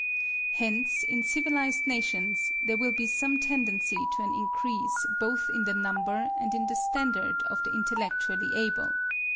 Hence in civilised nations there will be some tendency to an increase both in the number and in the standard of the intellectually able.